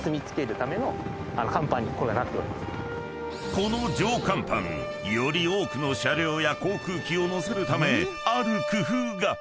［この上甲板より多くの車両や航空機を載せるためある工夫が］